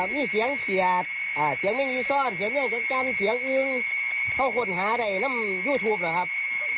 มีเสียงเขียดเสียงแมงกาซอนเสียงแมงกักกันเสียงอึ้งเขาห่วงหาในยูทูปหรือครับ